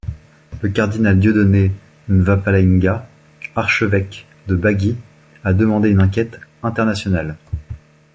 Le cardinal Dieudonné Nzapalainga, archevêque de Bagui a demandé une enquête internationale.